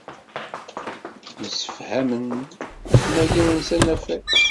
Msefhamen ad t-mmagren s anafag.